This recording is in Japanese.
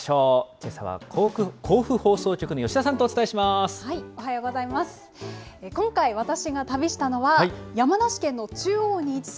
けさは甲府放送局の吉田さんとおおはようございます。